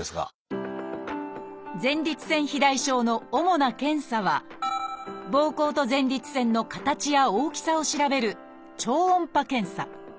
前立腺肥大症の主な検査はぼうこうと前立腺の形や大きさを調べる「超音波検査」。